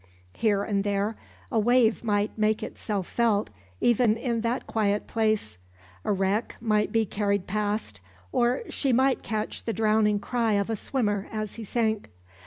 Here and there a wave might make itself felt even in that quiet place; a wreck might be carried past, or she might catch the drowning cry of a swimmer as he sank.